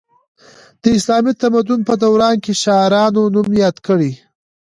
د اسلامي تمدن په دوران کې شاعرانو نوم یاد کړی.